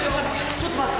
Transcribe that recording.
ちょっと待って。